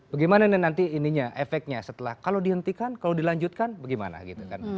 bagaimana nanti ininya efeknya setelah kalau dihentikan kalau dilanjutkan bagaimana gitu kan